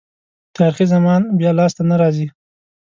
تاریخي زمان بیا لاسته نه راځي.